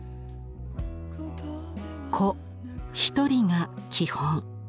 個一人が基本。